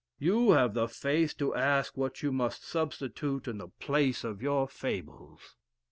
You have the face to ask what you must substitute in the place of your fables!"